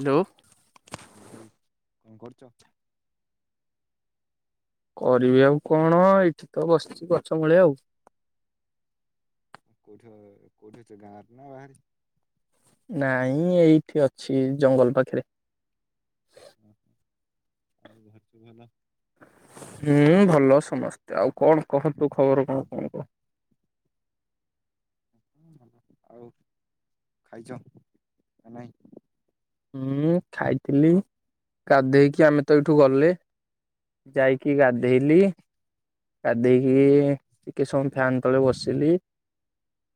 Hello. ଆଁ ଭାଇ କଣ କରୁଚ? କରିବି ଆଉ କଣ ଏଇଠି ତ ବସିଚି ଗଛ ମୂଳେ ଆଉ। କୋଉଠି ଅ କୋଉଠି ଅଛ ଗାଁରେ ନା ବାହାରେ? ନାଇଁ ଏଇଠି ଅଛି ଜଙ୍ଗଲ ପାଖେରେ। ଓ ହୋ ଆଉ [unintelligible] ଭଲ। ହଁ ଭଲ ସମସ୍ତେ ଆଉ କଣ କହ ତୋ ଖବର କଣ କଣ କହ। ଆଉ ଖାଇଚ ନା ନାଇଁ? ମୁଁ ଖାଇଥିଲି ଗାଧେଇକି ଆମେ ତ ଏଇଠୁ ଗଲେ। ଯାଇକି ଗାଧେଇଲି। ଗାଧେଇକି ଟିକେ ସମୟ ଫ୍ୟାନ ତଳେ ବସିଲି।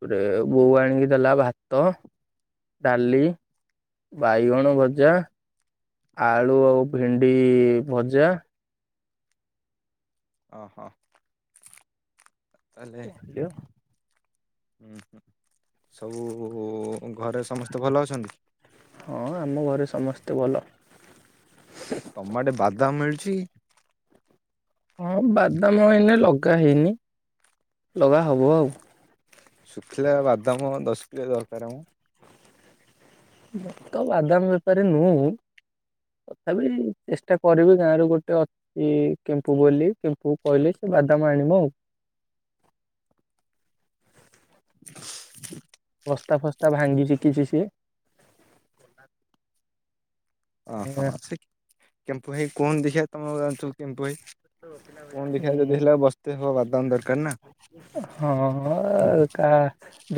ଗୋଟେ ହୁଁ ବୋଉ ଆଣିକି ଦେଲା ଭା ତ, ଡାଲି ବାଇଗଣ ଭଜା ଆଳୁ ଆଉ ଭେଣ୍ଡି ଭଜା ଅ ହ ତାହେଲେ ଉଁ ହୁଁ। ସବୁ ଘରେ ସମସ୍ତେ ଭଲ ଅଛନ୍ତି? ହଁ ଆମ ଘରେ ସମସ୍ତେ ଭଲ। ଆ ତମ ଆଡେ ବାଦାମ ମିଳୁଚି? ହଁ ବାଦାମ ଏଇନେ ଲଗା ହେଇନି ଲଗା ହବ ଆଉ। ଶୁଖିଲା ବାଦାମ ଦଶ କିଲେ ଦରକାର ମ। ମୁଁ ତ ବାଦାମ ବେପାରୀ ନୁହୁଁ ତଥାପି ଚେଷ୍ଟା କରିବି ଗାଁରୁ ଗୋଟେ ଅ ଏ କେମ୍ପୁ ବୋଲି କେମ୍ପୁ କହିଲେ ସେ ବାଦାମ ଆଣିବ ଆଉ। ବସ୍ତା ଫସ୍ତା ଭାଙ୍ଗି ଶିଖିଚି ସିଏ। ଓହଁ ସେ କେମ୍ପୁ ଭାଇ କୁହନ ଦେଖିବା ତମ ଠୁ କେମ୍ପୁ ଭାଇ। କୁହନ ଦେଖିବା ଯଦି ହେଲା ବସ୍ତେ ହବ ବାଦାମ ଦରକାର ନା। ହଁଅ କା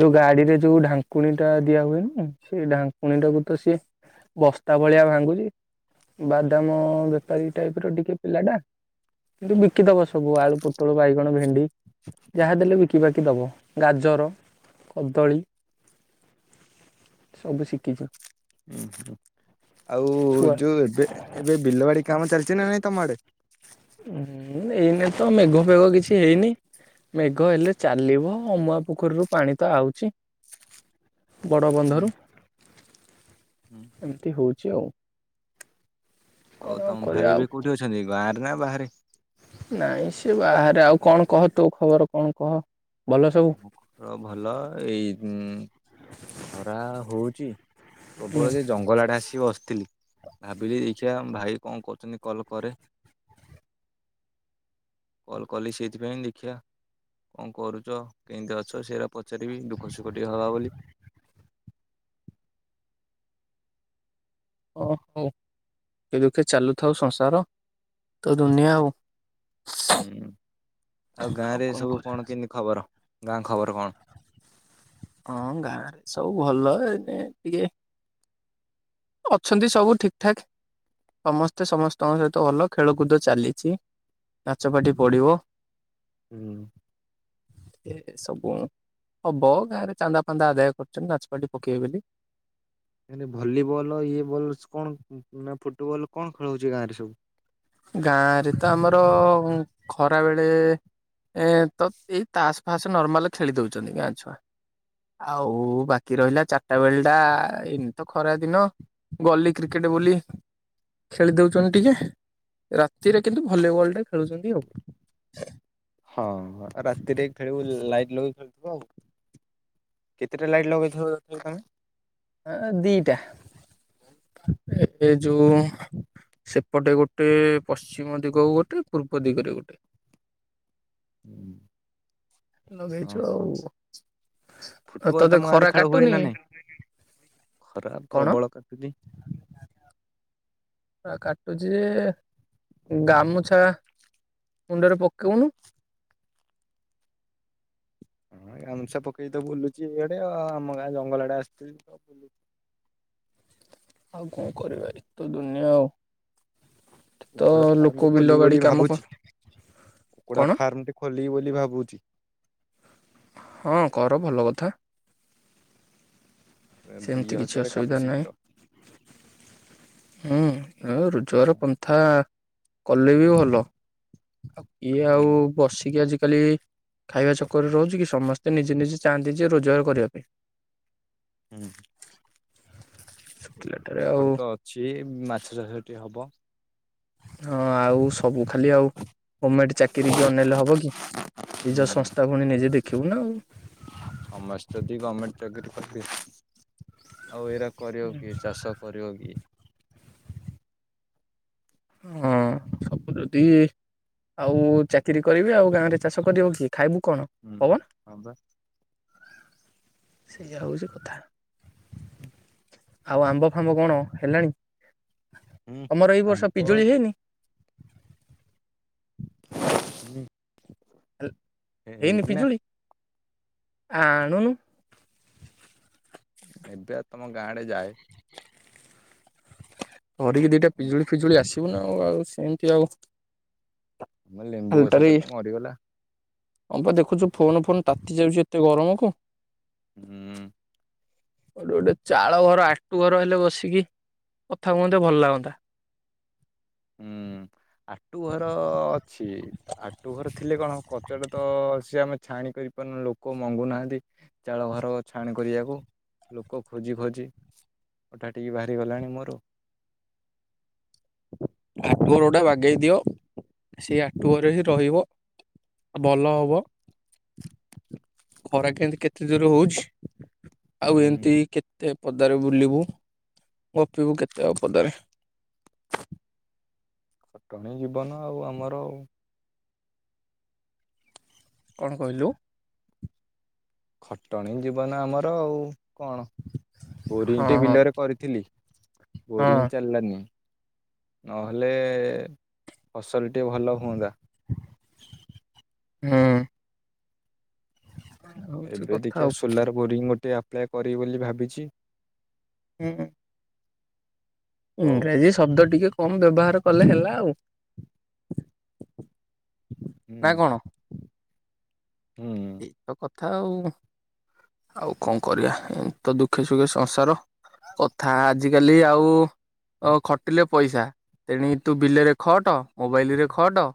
ଯୋଉ ଗାଡିରେ ଯୋଉ ଢାଙ୍କୁଣୀ ଟା ଦିଆ ହୁଏ ନୁ ସେଇ ଢାଙ୍କୁଣୀ ଟାକୁ ତ ସିଏ ବସ୍ତା ଭଳିଆ ଭାଙ୍ଗୁଚି ବାଦାମ ବେପାରୀ ଟାଇପ ର ଟିକେ ପିଲା ଟା। କିନ୍ତୁ ବିକି ଦବ ସବୁ ଆଳୁ, ପୋଟଳ, ବାଇଗଣ, ଭେଣ୍ଡି ଯାହା ଦେଲେ ବି ଶିକିବାକିି ଦବ ଗାଜର, କଦଳୀ ସବୁ ଶିକି ଉଁ ହୁଁ ଆଉ ଛୁଆ ଯୋଉ ଏବେ ଏବେ ବିଲବାଡି କାମ ଚାଲଚି ନା ନାଇଁ ତମ ଆଡେ? ହୁଁ ଏଇନେ ତ ମେଘ ଫେଘ କିଛି ହେଇନି। ମେଘ ହେଲେ ଚାଲିବ ଅମୁଆ ପୋଖରୀରୁ ପାଣି ତ ଆଉଚି। ବଡ଼ ବନ୍ଧରୁ ହୁଁ। ଏମିତି ହୋଉଚି ଆଉ। କଣ ଆଉ ତମ କରିବା ଭାଇ ଆଉ ଏବେ କୋଉଠି ଅଛନ୍ତି ଗାଁ ରେ ନା ବାହାରେ? ନାଇଁ ସେ ବାହାରେ ଆଉ କଣ କହ ତୋ ଖବର କଣ କହ? ଭଲ ସବୁ ମୋର ଭଲଏଇ ଉଁ ଖରା ହୋଉଚି। ହୁଁ ପ୍ରବଳ ଯେ ଜଙ୍ଗଲ ଆଡେ ଆସି ବସିଥିଲି ଭାବିଲି ସେ ଆମ ଭାଇ କଣ କରୁଚନ୍ତି କଲ୍ କରେ। କଲ୍ କଲି ସେଇଥିପାଇଁ ଦେଖିଆ କଣ କରୁଚ? କେମିତି ଅଛ ସେଇଟା ପଚାରିବି ଦୁଃଖ ସୁଖ ଟିକେ ହବା ବୋଲି। ଓ ହୋ ସୁଖେ ଦୁଃଖେ ଚାଲୁଥାଉ ସଂସାର ତ ଦୁନିଆ ଆଉ ହୁଁ ଆଉ ଗାଁ ରେ ସବୁ କଣ କେମିତି ଖବର ଗାଁ ଖବର କଣ? ହଁ ଗାଁ ରେ ସବୁ ଭଲ ଏଇନେ ଟିକେ ଅଛନ୍ତି ସବୁ ଠିକ ଠାକ ସମସ୍ତେ ସମସ୍ତଙ୍କ ସହିତ ଭଲ ଖେଳକୁଦ ଚାଲିଚି। ନାଚ ପାଟି ହୁଁ ପଡିବ ହୁଁ। ଏ ସବୁ। ହବ ଗାଁରେ ଚାନ୍ଦା ଫାନ୍ଦା ଆଦାୟ କରୁଚନ୍ତି ନାଚପାଟି ପକେଇବେ ବୋଲି। ମାନେ ଭଲିବଲ ଇଏ ବଲ୍ କଣ ନା ଫୁଟବଲ୍ କଣ ଖେଳ ହୋଉଚି ଗାଁ ରେ ସବୁ? ଗାଁରେ ତ ଆମର ଖରାବେଳେ ଏଁ ତ ଏଇ ତାସ ଫାସ ନର୍ମାଲ ଖେଳି ଦୋଉଚନ୍ତି ଗାଁ ଛୁଆ। ଆଉ ବାକି ରହିଲା ଚାରିଟା ବେଳ ଟା ଏମିତି ତ ଖରା ଦିନ। ଗଲି କ୍ରିକେଟ ବୋଲି ଖେଳି ଦୋଉଚନ୍ତି ଟିକେ। ରାତିରେ କିନ୍ତୁ ଭଲିବଲ ଟେ ଖେଳୁଚନ୍ତି ଆଉ। ହଁ ରାତିରେ ଖେଳିବୁ ଲାଇଟ ଲଗେଇ ଖେଳୁଥିବ ଆଉ। କେତେଟା ଲାଇଟ ଲଗେଇଥବ ତମେ? ଏ ଦିଟା ଏବେ ଯୋଉ ସେପଟେ ଗୋଟେ ପଶ୍ଚିମ ଦିଗକୁ ଗୋଟେ ପୂର୍ବ ଦିଗରେ ଗୋଟେ। [inaudible] ନଗେଇଚୁ ଆଉ। ଫୁଟବଲ ତତେ ତମ ଆଡେ ଖରା ଖେଳ ହୁଏ କାଟୁନି ନା ନାଇଁ ଖରା କଣ? ପ୍ରବଳ କାଟୁଚି। ଖରା କାଟୁଚି ଜେ ଗାମୁଛା ମୁଣ୍ଡରେ ପକଉନୁ। ହଁ ଗାମୁଁଛା ପକେଇ ତ ବୁଲୁଚି ଏଇଆଡେ ଆମ ଗାଁ ଜଙ୍ଗଲ ଆଡେ ଆସିଥିଲି ତ ବୁଲୁଚି। ଆଉ କଣ କରିବା ଏଇତ ଦୁନିଆ ଆଉ। ତ କୁକୁଡା ଲୋକ ଫାର୍ମଟେ ବିଲ ଖୋଲିବି ବାଡି ବୋଲି କାମ କ ଭାବୁଚି କୁକୁଡା କଣ ଫାର୍ମଟେ ଖୋଲିିବି ବୋଲି ଭାବୁଚି। ହଁ କର ଭଲ କଥା। ଏଁ ଦିଇ ସେମିତି କିଛି ହଜାର ଅସୁବିଧା କାପାସିଟିର। ହୁଁଏ ରୋଜଗାର ପନ୍ଥା କଲେ ବି ଭଲ। କିଏ ହୁଁ ଆଉ ହୁଁ ବସିକି ଆଜିକାଲି ଖାଇବା ଚକରେ ରହୁଚି କି ସମସ୍ ନିଜେ ନିଜେ ଚାହାନ୍ତି ଯେ ରୋଜଗାର କରିବା ପାଇଁ। ହୁଁ ଏଠି ଶୁଖିଲାଟାରେ ଆଉ ପୋଖରୀ ତ ଅଛି ମାଛ ଚାଷ ଟିଏ ହବ। ହଁ ଆଉ ସବୁ ଖାଲି ଆଉ ଗମେଣ୍ଟ ଚାକିର କି ଅନେଇଲେ ହବ କି। ନିଜ ହୁଁ ସଂସ୍ଥା ଫୁଣୀ ନିଜେ ଦେଖିବୁ ନା ଆଉ। ସମସ୍ତେ ଯଦି ଗମେଣ୍ଟ ଚାକିରି କରିବେ ଆଉ ଏଇରା କରିବ କିଏ ଚାଷ କରିବ କିଏ। ହଁ ସବୁ ଯଦି ଆଉ ଚାକିରି କରିବେ ଆଉ ଗାଁରେ ଚାଷ କରିବ କିଏ। ଖାଇବୁ କଣ ହୁଁ ପବନ। ହଁ ବା ସେଇଆ ହୋଉଚି କଥା। ଆଉ ଆମ୍ବ ଫାମ୍ବ କଣ ହେଲାଣି ହୁଁ ତମର ଏଇ ବର୍ଷ ଆମ୍ବ ଉଁ। ଉଁ। ହେଇନି ପିଜୁଳି ଆଣୁନୁ। ଏବେ ଆ ତମ ଗାଁଡେ ଯାଏ। [inaudible] ଧରିକି ଦିଟା ତମ ଗାଁ ପିଜୁଳି ଫିଜୁଳି ଆସିବୁ ନା ଆଉ ଆଉ ସେମିତି ଆଉ। ଆମର ଲେମ୍ବୁ ଗଛା ଖାଲିଟାରେ ଟା ତ ମରିଗଲା। ହଁ ପା ଦେଖୁଛୁ ଫୋନ୍ ଫୋନ୍ ତାତି ଯାଉଛି ଏତେ ଗରମକୁ। ହୁଁ। କୋଟି ଗୋଟେ ଚାଳ ଘର ଆଟୁ ଘର ହେଲେ ବସିକି କଥା କୁହନ୍ତେ ଭଲ ଲାଗନ୍ତା। ହୁଁ ଆଟୁ ଘର ଅଛି। ଆଟୁ ଘର ଥିଲେ କଣ କଚଟା ତ ସିଏ ଆମେ ଛାଣି କରିପାରୁନୁୁ ଲୋକ ମଙ୍ଗୁନାହାନ୍ତି। ଚାଳ ଘର ଛାଣି କରିବାକୁ ଲୋକ ଖୋଜି ଖୋଜି ଅଟା ଟିକେ ବାହାରିଗଲାଣି ମୋର। ଆକୁ ହରଟା ବାଗେଇ ଦିଅ ସେଇ ଆକୁଅର ହିଁ ରହିବ। ଭଲ ହବ। ଖରା କେ କେତେ ଜୋର ହଉଛି ଆଉ ହୁଁ ଏମତି କେ କେତେ ପଦାରେ ବୁଲିବୁ ଗପିବୁ କେତେ ଆଉ ପଦାରେ। ତମେ ଜୀବନ ଆଉ ଆମର। କଣ କହିଲୁ? ଖଟଣୀ ଜୀବନ ଆମର ଆଉ କଣ ବୋରିଂ ହଁ ଟି ହଁ ବିଲରେ କରି ଥିଲି ହଁ ବୋରିଙ୍ଗ ଚାଲଲା ନି। ନହେଲେ ଫସଲ ଟିକେ ଭଲ ହୁଅନ୍ତା। ହୁଁ। ହଉଛି ଏବେ କଥା ଦେଖିଆ ଆଉ ସୋଲାର ବୋରିଂ ଗୋଟେ ଆପ୍ଲାଏ କରିବି ବୋଲି ଭାବିଛି। ହୁଁ। ହଉ ଇଂରାଜୀ ଶବ୍ଦ ଟିକେ କମ ବ୍ୟବହାର କଲେ ହେଲା ଆଉ। ନା ହୁଁ। କଣ। ହୁଁ। ଏଇତ କଥା ଆଉ ଆଉ କଣ କରିବା ଏଇତ ଦୁଃଖେ ସୁଖେ ସଂସାର। କଥା ଆଜିକାଲି ଆଉ ଅ ଖଟିଲେ ପଇସା ତେଣିକି ତୁ ବିଲରେ ଖଟ ମୋବାଇଲରେ ଖଟ।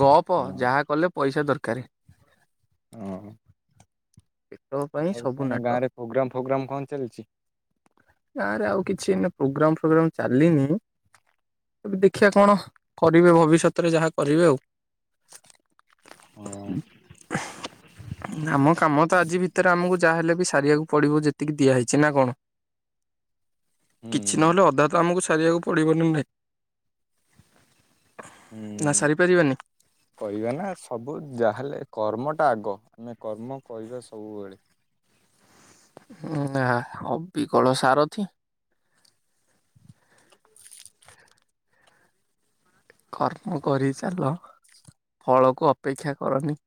ଗପ ହଁ ଯାହା କଲେ ପଇସା ଦରକାର। ଓଁ। [unintelligible] ଆଉ ତମ ନାଟ ଗାଁରେ ପ୍ରୋଗ୍ରାମ ଫୋଗ୍ରମ୍ କଣ ଚାଲଚି? ଗାଁ ରେ ଆଉ କିଛି ଏନା ପ୍ରୋଗ୍ରାମ ଫୋଗ୍ରମ୍ ଚାଲିନି। ଏବେ ଦେଖିଆ କଣ କରିବେ ଭବିଷ୍ୟତରେ ଯାହା କରିବେ ଆଉ। ହଁ [unintelligible] ଆମ କାମ ତ ଆଜି ଭିତରେ ଆମକୁ ଯାହାହେଲେ ବି ସାରିବାକୁ ପଡିବ ଯେତିକି ଦିଆହେଇଛି ନା କଣ। କିଛି ହୁଁ। ନହେଲେ ଅଧା ତ ଆମକୁ ସାରିବାକୁ ପଡିବ ନୁହେଁ। ନା ସାରିପାରିବାନି? କହିବା ନା ସବୁ ଯାହେଲେ କର୍ମଟା ଆଗ ଆମେ କର୍ମ କହିବା ସବୁବେଳେ। ନାଁ ଅବିିକଳ ସାରଥୀ। କର୍ମ କରି ଚାଲ ଫଳକୁ ଅପେକ୍ଷା କରନି।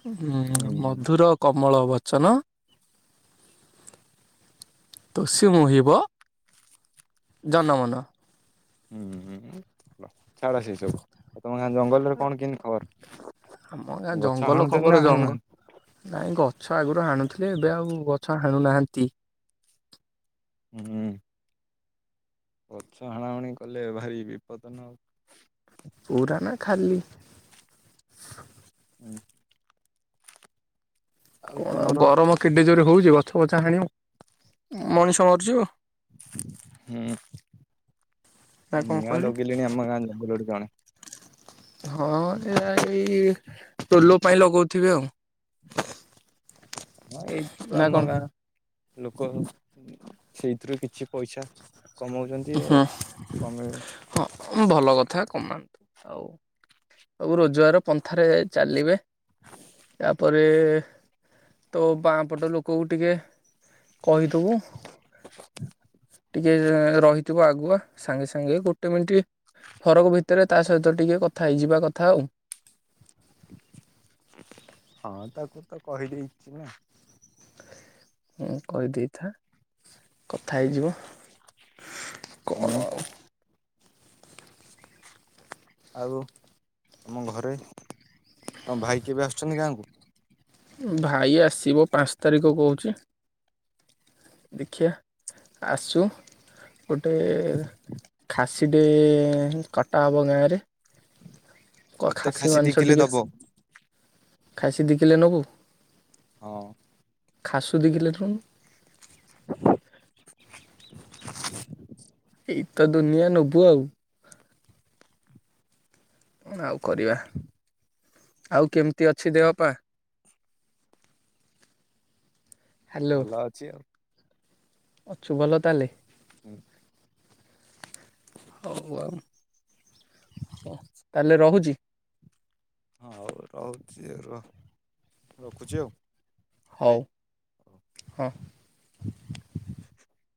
ହୁଁ ମଧୁର କମଳ ବଚନ ତୋଷୀ ମୋହିବ ଜନମନ। ହୁଁ ହୁଁ। ହ ଛାଡ ସେ ସବୁ ଆଉ ତମ ଗାଁ ଜଙ୍ଗଲରେ କଣ କେମିତି ଖବର? ଆମ ଗାଁ ଗଛ ଜଙ୍ଗଲ ହାଣୁଛନ୍ତି ନା ଖବର ଜଙ୍ଗଲ ହାଣୁନାହାନ୍ତି? ନାଇଁ ଗଛ ଆଗରୁ ହାଣୁଥିଲେ, ଏବେ ଆଉ ଗଛ ହାଣୁନାହାଁନ୍ତି। ହୁଁ। ଗଛ ହଣା ହଣି କଲେ ଭାରି ବିପଦ ନାଁ ଆଉ। ପୁରା ନା ଖାଲି। ହୁଁ। କଣ ଆଉ ଗରମ କେଡେ ଜୋରେ ହଉଛି ଗଛ ଫଛ ହାଣିବ ମଣିଷ ମରିଯିବ। ହୁଁ ନା କଣ ନିଆଁ କହିଲୁ? ଲଗେଇଲେଣି ଆମ ଗାଁ ଜଙ୍ଗଲରେ କଣେ। ହଁ ଏରା ଏଇ ଟୋଲୋ ପାଇଁ ଲଗଉଥିବେ ଆଉ। ହଁ ଏଇ ନା ତମ କଣ? ଗାଁ ଲୋକ ସେଇଥିରୁ କିଛି ପଇସା କମଉଛନ୍ତି ଆଉ ହଁ କମେଇ ହଁ ଭଲ କଥା କମାନ୍ତୁ ଆଉ। ସବୁ ରୋଜଗାର ପନ୍ଥାରେ ଚାଲିବେ। ୟାପରେ ତୋ ବାଁପଟ ଲୋକକୁ ଟିକେ କହିଦବୁ ଟିକେ ରହି ଥିବ ଆଗୁଆ ସାଙ୍ଗେ ସାଙ୍ଗେ ଗୋଟେ ମିଟ ଫରକ ଭିତରେ ତା ସହିତ ଟିକେ କଥା ହେଇଯିବା କଥା ଆଉ। ହଁ ତାକୁ ତ କହିଦେଇଛି ନା। ହଁ କହିଦେଇଥା କଥା ହେଇଯିବ ତମେ କଣ। ଆଉ ଆଉ ତମ ଘରେ ତମ ଭାଇ କେବେ ଆସୁଛନ୍ତି ଗାଁକୁ। ଭାଇ ଆସିବ ପାଞ୍ଚ ତାରିଖ କହୁଛି। ଦେଖିଆ ଆସୁ। ଏ ଖାସିଟେ କଟା ହେବ ଗାଁରେ। କ ମତେ ଖାସି ଦି ମାଂସ କିଲେ ଟିକେ ଦବ ଖାସି ଦିକିଲେ ନବୁ? ହଁ। ଖାସୁ ଦିକିଲେ ନଉନୁ? [unintelligible] ଏଇ ତ ଦୁନିଆ ନବୁ ଆଉ। ଆଉ କରିବା ଆଉ କେମିତି ଅଛି ଦେହପା? ହ୍ୟାଲୋ ଭଲ ଅଛି ଆଉ। ଅଛୁ ଭଲ ତାଲେ। ହୁଁ। ହଉ ଆଉ ହଉ। ତାହେଲେ ରହୁଛି। ହଉ ରହୁଛି ର ରଖୁଛି ଆଉ। ହଉ ଭାଇ। ହଁ। [unintelligible]